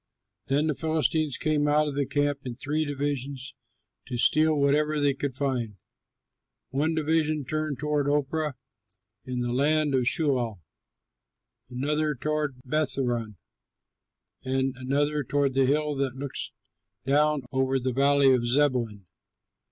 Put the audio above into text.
Then the Philistines came out of the camp in three divisions to steal whatever they could find: one division turned toward Ophrah, in the land of Shual, another toward Bethhoron, and another toward the hill that looks down over the valley of Zeboim.